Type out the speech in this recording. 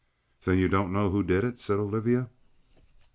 "Then you don't know who did it?" said Olivia.